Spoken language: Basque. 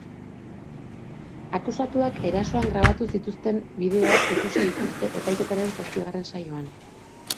Akusatuak erasoan grabatu zituzten bideoak ikusi dituzte epaiketaren zazpigarren saioan.